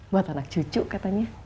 buat anak cucu katanya